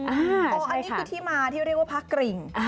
อันนี้คือที่มาที่เรียกว่าพระกริ่ง